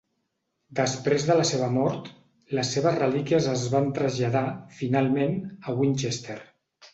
Després de la seva mort, les seves relíquies es van traslladar, finalment, a Winchester.